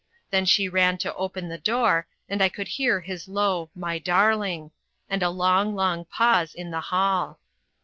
Then she ran to open the door, and I could hear his low "my darling!" and a long, long pause, in the hall.